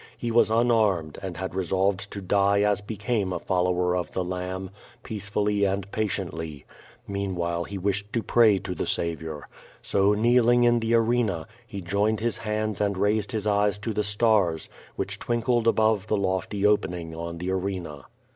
H^ was unarmed, and had resolved to die as became a follower of the Lamb, peacefully and pa tiently. Meanwhile, he wished to pray to the Saviour. So, kneeling in the arena, he joined his hands and raised his eyes to the stars, which twinkled above the lofty opening on the arena.